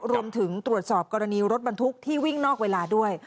รวมถึงตรวจสอบกรณีรถบรรทุกที่วิ่งนอกเวลาด้วย